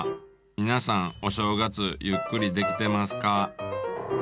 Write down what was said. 皆さんお正月ゆっくりできてますか。